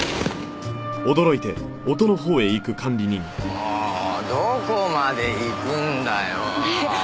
もうどこまで行くんだよー。